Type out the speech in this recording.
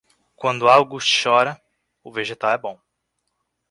Quando August chora, o vegetal é bom.